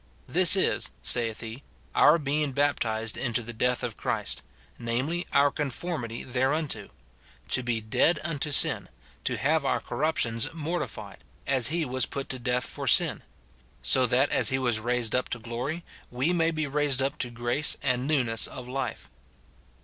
" Th's is," saith he, "our be'ng baptized into the death of Christ, namely, our conformity thereunto ; to be dead unto sin, to have our corruptions mortified, as he was put to death for sin : so that as he was raised up to glory, we may be raised up to grace and newness of life."